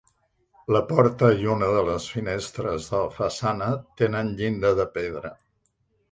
La porta i una de les finestres de la façana tenen llinda de pedra.